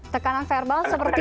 tekanan verbal seperti